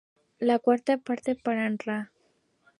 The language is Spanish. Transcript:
La quarta parte para nra.